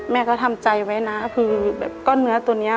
แม่ก็ทำใจไว้นะคือแบบก้อนเนื้อตัวนี้